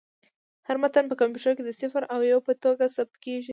هر متن په کمپیوټر کې د صفر او یو په توګه ثبت کېږي.